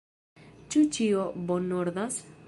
Ĉu ĉio bonordas?